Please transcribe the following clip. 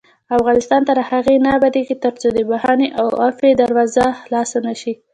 افغانستان تر هغو نه ابادیږي، ترڅو د بښنې او عفوې دروازه خلاصه نشي.